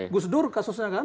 gusdur kasusnya kan